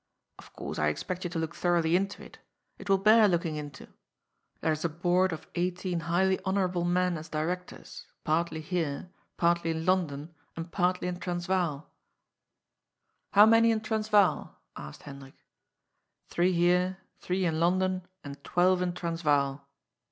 Of course I expect you to look thoroughly into it. It will bear looking into. There's a board of eighteen highly honourable men as directors, partly here, partly in London, and partly in Transvaal." " How many in Transvaal ?" asked Hendrik. " Three here, three in London, and twelve in Transvaal."